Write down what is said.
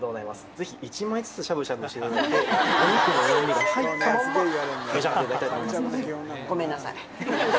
ぜひ、１枚ずつしゃぶしゃぶしていただいて、お肉のうまみが入ったまんま、召し上がっていただきたいと思いごめんなさい。